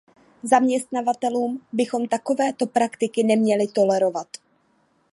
Zaměstnavatelům bychom takovéto praktiky neměli tolerovat.